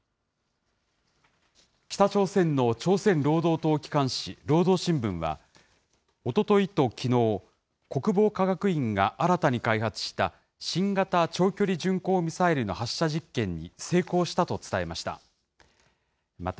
北朝鮮の朝鮮労働党機関紙、労働新聞は、おとといときのう、国防科学院が新たに開発した新型長距離巡航ミサイルの発射実験に成功したと伝えました。